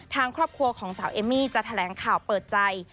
ทางครอบครัวของสาวเอมมี่จะแถลงข่าวเปิดใจ